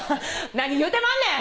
何言うてまんねん！